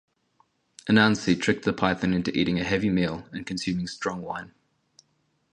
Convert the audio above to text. Anansi tricked the python into eating a heavy meal and consuming strong wine.